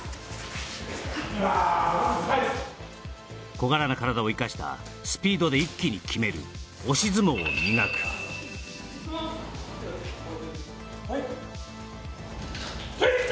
小柄な体を生かしたスピードで一気に決める押し相撲を磨くはいきた！